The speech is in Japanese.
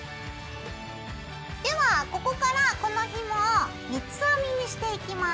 ではここからこのひもを三つ編みにしていきます。